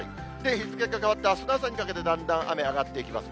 日付が変わって、あすの朝にかけて、だんだん雨上がっていきます。